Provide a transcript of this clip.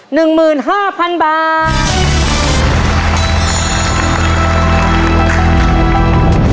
หนึ่งหมื่นห้าพันบาท